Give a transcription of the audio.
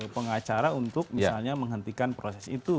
pengacara untuk misalnya menghentikan proses itu